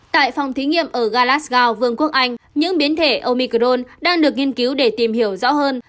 tại phòng thí nghiệm ở galasgo vương quốc anh những biến thể omicron đang được nghiên cứu để tìm hiểu rõ hơn